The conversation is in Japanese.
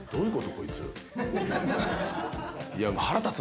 こいつ。